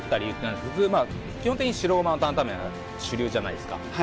基本的に白ごまのタンタン麺が主流じゃないですか